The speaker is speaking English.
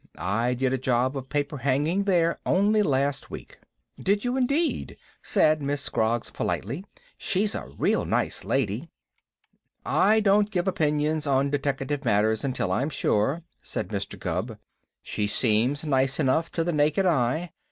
"I did a job of paper hanging there only last week." "Did you, indeed?" said Miss Scroggs politely. "She's a real nice lady." "I don't give opinions on deteckative matters until I'm sure," said Mr. Gubb. "She seems nice enough to the naked eye.